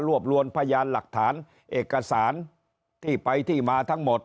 รวบรวมพยานหลักฐานเอกสารที่ไปที่มาทั้งหมด